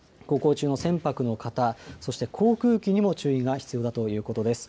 航行中の船舶の方、そして航空機にも注意が必要だということ。